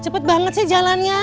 cepet banget sih jalannya